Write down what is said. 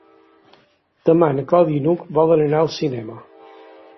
Demà na Clàudia i n'Hug volen anar al cinema.